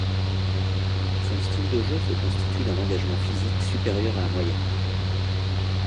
Son style de jeu se constitue d'un engagement physique supérieur à la moyenne.